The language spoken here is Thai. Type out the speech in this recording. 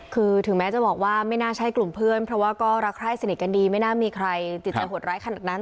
คือถึงแม้จะบอกว่าไม่น่าใช่กลุ่มเพื่อนเพราะว่าก็รักใคร้สนิทกันดีไม่น่ามีใครจิตใจหดร้ายขนาดนั้น